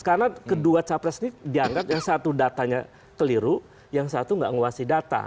karena kedua capres ini dianggap yang satu datanya keliru yang satu nggak nguasih data